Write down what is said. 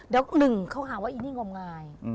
เดี๋ยวหนึ่งเขาหาว่าอินิงงงาย